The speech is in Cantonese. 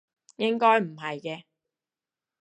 應該唔係嘅